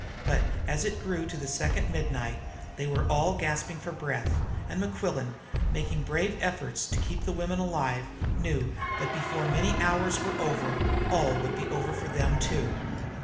But as it grew to the second midnight they were all gasping for breath, and Mequillen, making brave efforts to keep the women alive, knew that before many hours were over all would be over with them too.